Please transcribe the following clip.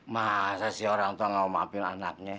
masa sih orang tua mau maafin anaknya